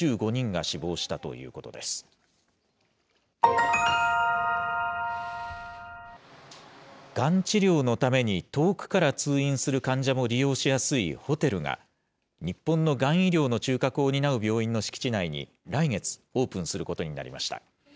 がん治療のために遠くから通院する患者も利用しやすいホテルが、日本のがん医療の中核を担う病院の敷地内に、来月、オープンすることになりました。